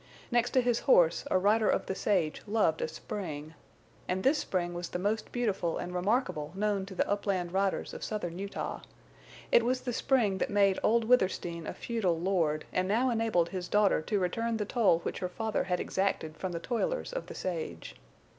Next to his horse a rider of the sage loved a spring. And this spring was the most beautiful and remarkable known to the upland riders of southern Utah. It was the spring that made old Withersteen a feudal lord and now enabled his daughter to return the toll which her father had exacted from the toilers of the sage.